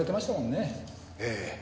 ええ。